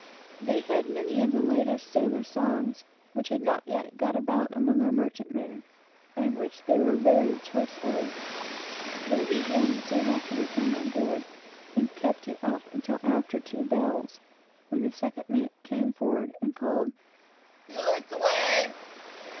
They had many of the latest sailor songs, which had not yet got about among our merchantmen, and which they were very choice of. They began soon after we came on board, and kept it up until after two bells, when the second mate came forward and called "the Alerts away!"